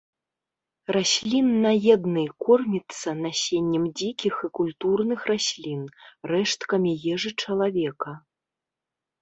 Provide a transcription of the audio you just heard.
Расліннаедны, корміцца насеннем дзікіх і культурных раслін, рэшткамі ежы чалавека.